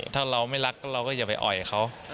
ถ้าเราไม่รักเราก็อย่าไปอ่อยเขา